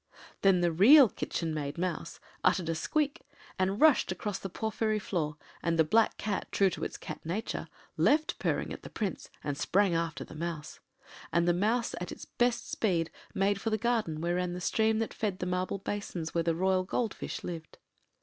Then the Real Kitchen Maid Mouse uttered a squeak, and rushed across the porphyry floor, and the black Cat, true to its cat nature, left purring at the Prince and sprang after the Mouse, and the Mouse at its best speed, made for the garden where ran the stream that fed the marble basins where the royal gold fish lived.